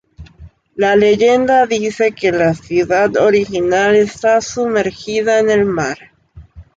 La leyenda dice que la ciudad original está sumergida en el mar.